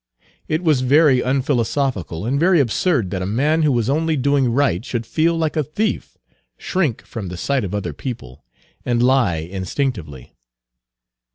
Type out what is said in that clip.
It was very unphilosophical and very absurd that a man who was only doing right should feel like a thief, shrink from the sight of other people, and lie instinctively.